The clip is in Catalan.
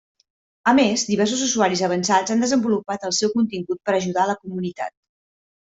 A més, diversos usuaris avançats han desenvolupat el seu contingut per ajudar a la comunitat.